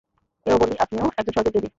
এও বলি, আপনিও একজন স্বর্গের দেবী।